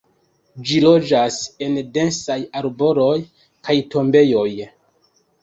Ĝi loĝas en densaj arbaroj, kaj tombejoj.